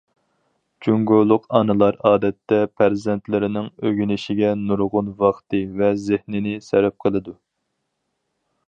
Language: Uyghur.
جۇڭگولۇق ئانىلار، ئادەتتە، پەرزەنتلىرىنىڭ ئۆگىنىشىگە نۇرغۇن ۋاقتى ۋە زېھنىنى سەرپ قىلىدۇ.